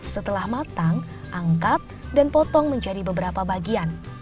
setelah matang angkat dan potong menjadi beberapa bagian